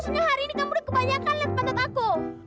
sebenernya hari ini kamu udah kebanyakan liat pantat aku